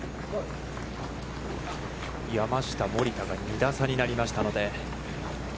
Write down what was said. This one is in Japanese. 山下、森田が２打差になりましたので。